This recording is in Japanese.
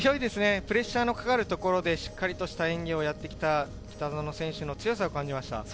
プレッシャーのかかるところでしっかりした演技をやってきた北園選手の強さを感じました。